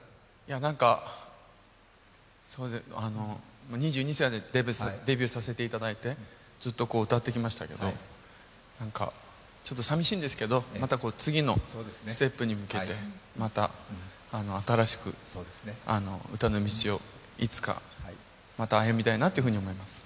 なんか、２２歳でデビューさせていただいてずっと歌ってきましたけれども、ちょっと寂しいんですけど、次のステップに向けてまた、新しく歌の道をいつか、また歩みたいなというふうに思います。